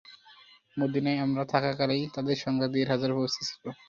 মদীনায় আমরা থাকা কালেই তাদের সংখ্যা দেড় হাজার পৌঁছেছিল।